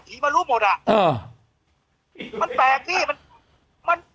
ผีมันรู้หมดอ่ะเออมันแปลกนี่มันมัน